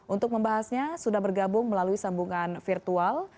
untuk membahasnya sudah bergabung melalui sambungan virtual